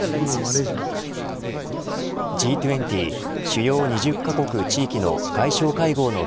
Ｇ２０主要２０カ国地域の外相会合の